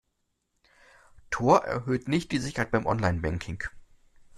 Tor erhöht nicht die Sicherheit beim Online-Banking.